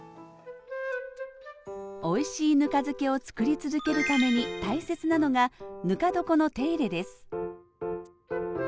おいしいぬか漬けをつくり続けるために大切なのがぬか床の手入れです